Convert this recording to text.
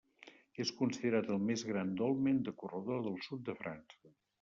És considerat el més gran dolmen de corredor del sud de França.